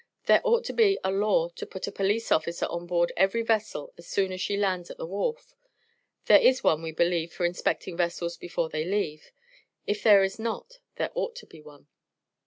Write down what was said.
There ought to be a law to put a police officer on board every vessel as soon as she lands at the wharf. There is one, we believe for inspecting vessels before they leave. If there is not there ought to be one.